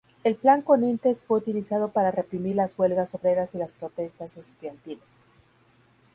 El Plan Conintes fue utilizado para reprimir las huelgas obreras y las protestas estudiantiles.